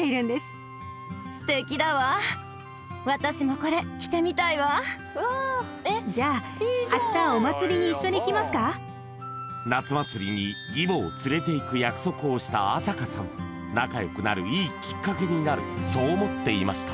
これはこれじゃあ夏祭りに義母を連れて行く約束をした朝香さん仲良くなるいいきっかけになるそう思っていました